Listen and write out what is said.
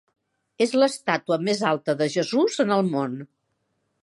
És l'estàtua més alta de Jesús en el món.